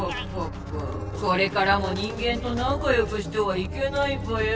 これからも人間となかよくしてはいけないぽよ。